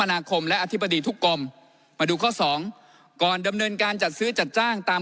นาคมและอธิบดีทุกกรมมาดูข้อสองก่อนดำเนินการจัดซื้อจัดจ้างตาม